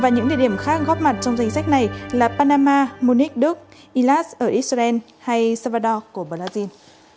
những địa điểm khác góp mặt trong danh sách này là panama munich đức ilhas ở israel hay salvador của brazil